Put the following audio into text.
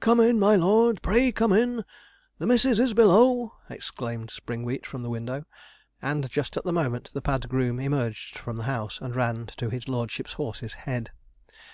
'Come in, my lord! pray, come in! The missis is below!' exclaimed Springwheat, from the window; and just at the moment the pad groom emerged from the house, and ran to his lordship's horse's head.